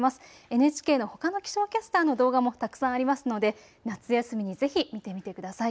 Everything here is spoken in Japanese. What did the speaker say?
ＮＨＫのほかの気象キャスターの動画もたくさんありますので夏休みにぜひ見てみてください。